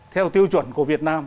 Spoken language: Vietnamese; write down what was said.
theo tiêu chuẩn của việt nam